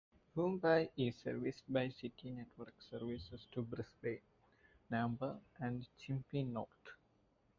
Woombye is serviced by City network services to Brisbane, Nambour and Gympie North.